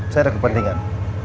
saya ada kepentingan